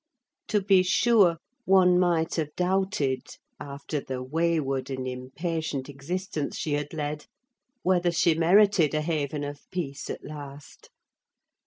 To be sure, one might have doubted, after the wayward and impatient existence she had led, whether she merited a haven of peace at last.